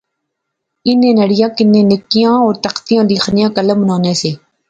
انیں نڑیاں کنے نکیاں او تختی لیخیاں قلم بنانے سے